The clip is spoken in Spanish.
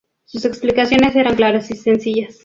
Sus explicaciones eran claras y sencillas.